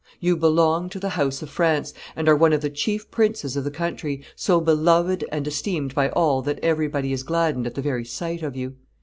You belong to the House of France, and are one of the chief princes of the country, so beloved and esteemed by all that everybody is gladdened at the very sight of you.